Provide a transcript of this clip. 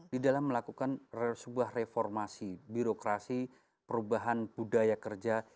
di dalam melakukan sebuah reformasi birokrasi perubahan budaya kerja